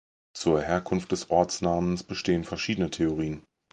Zur Herkunft des Ortsnamens bestehen verschiedene Theorien.